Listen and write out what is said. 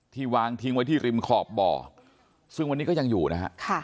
วางทิ้งไว้ที่ริมขอบบ่อซึ่งวันนี้ก็ยังอยู่นะฮะ